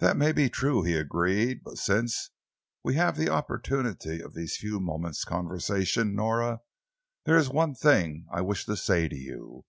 "That may be true," he agreed, "but since we have the opportunity of these few moments' conversation, Nora, there is one thing I wish to say to you.